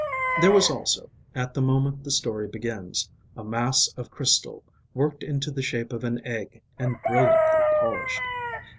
There was also, at the moment the story begins, a mass of crystal, worked into the shape of an egg and brilliantly polished.